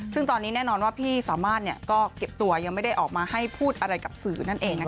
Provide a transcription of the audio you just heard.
ซึ่งตอนนี้แน่นอนว่าพี่สามารถก็เก็บตัวยังไม่ได้ออกมาให้พูดอะไรกับสื่อนั่นเอง